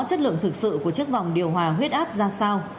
chất lượng thực sự của chiếc vòng điều hòa huyết áp ra sao